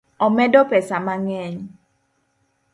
Omedo pesa mang'eny